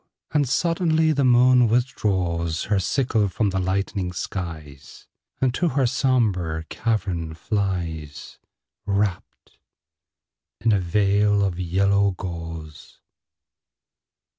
And suddenly the moon withdraws Her sickle from the lightening skies, And to her sombre cavern flies, Wrapped in a veil of yellow gauze.